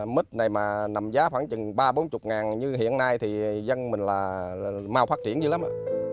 mít này mà nằm giá khoảng chừng ba mươi bốn mươi như hiện nay thì dân mình là mau phát triển dữ lắm đó